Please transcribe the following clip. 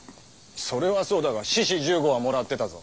それはそうだが志士十五はもらってたぞ。